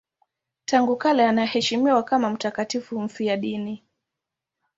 Tangu kale anaheshimiwa kama mtakatifu mfiadini.